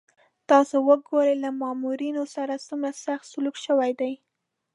تاسو وګورئ له مامورینو سره څومره سخت سلوک شوی دی.